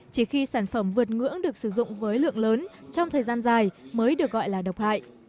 chỉ khi sản phẩm vượt ngưỡng được sử dụng với lượng lớn trong thời gian dài mới được gọi là độc hại